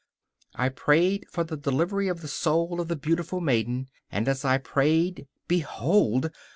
I prayed for the delivery of the soul of the beautiful maiden, and as I prayed, behold!